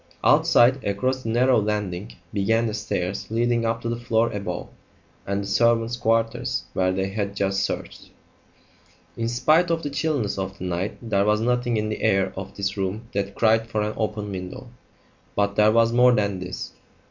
Outside, across the narrow landing, began the stairs leading up to the floor above, and the servants' quarters where they had just searched. In spite of the chilliness of the night there was something in the air of this room that cried for an open window. But there was more than this.